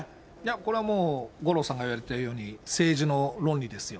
これはもう、五郎さんが言われたように、政治の論理ですよ。